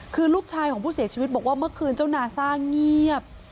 คือลูกชายของผู้เสียชีวิตบอกว่าเมื่อคืนเจ้านาซ่าเงียบ